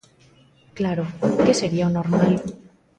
Claro, ¿que sería o normal?